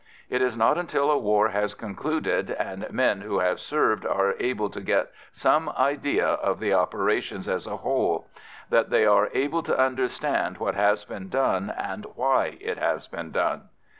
It is not until a war has concluded, and men who have served are able to get some idea of the operations as a whole, that they are able to understand what has been done and why it has been done.